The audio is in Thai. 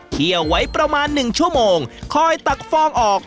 ี่ยวไว้ประมาณ๑ชั่วโมงคอยตักฟองออก